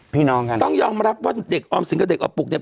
พี่น้องกันต้องยอมรับว่าเด็กออมสินกับเด็กออมปุกเนี่ย